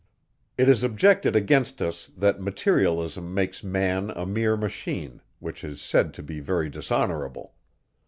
It is objected against us, that materialism makes man a mere machine, which is said to be very dishonourable.